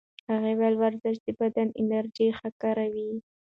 هغې وویل ورزش د بدن انرژي ښه کاروي.